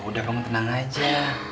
udah kamu tenang aja